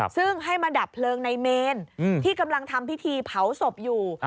ซึ่งให้มาดับเพลิงในเมนที่กำลังทำพิธีเผาศพอยู่